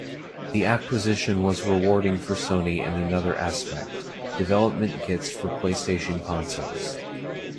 The acquisition was rewarding for Sony in another aspect: development kits for PlayStation consoles.